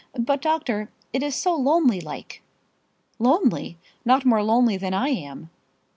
But, doctor, it is so lonely like." "Lonely! not more lonely than I am."